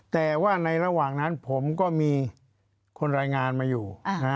แต่ว่าในระหว่างนั้นผมก็มีคนรายงานมาอยู่